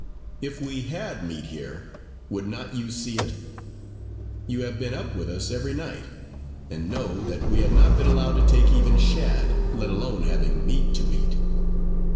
If we had meat here, would not you see it? You have been up with us every night, and know that we have not been allowed to take even shad, let alone having meat to eat."